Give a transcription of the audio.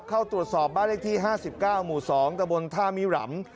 เข้าตรวจสอบบ้านเลขที่ห้าสิบเก้าหมู่สองตระบวนท่ามิหลัม